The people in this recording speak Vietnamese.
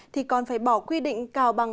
thì còn phải bỏ quy định cao bằng